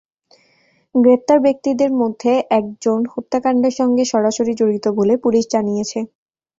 গ্রেপ্তার ব্যক্তিদের মধ্যে একজন হত্যাকাণ্ডের সঙ্গে সরাসরি জড়িত বলে পুলিশ জানিয়েছে।